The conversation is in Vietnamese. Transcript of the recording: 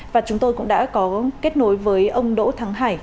và chúng tôi cũng đã có kết nối với ông đỗ thắng hải